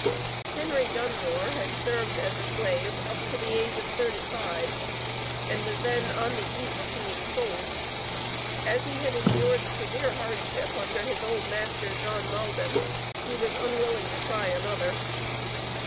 Henry Dunmore had served as a slave up to the age of thirty five, and was then on the eve of being sold. As he had endured severe hardship under his old master John Maldon he was unwilling to try another.